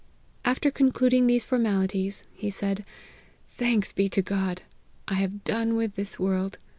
After concluding these formalities, he said, ' Thanks be to God, I have done with this world